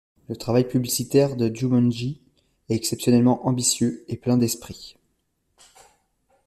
Le travail publicitaire de Jumonji est exceptionnellement ambitieux et plein d'esprit.